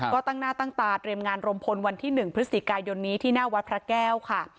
ก็ตั้งหน้าตั้งตาเตรียมงานรมพลวันที่๑พฤศจิกายนนี้ที่หน้าวัดพระแก้วค่ะ